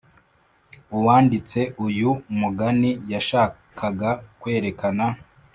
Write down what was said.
Uwanditse uyu mugani yashakaga kwerekana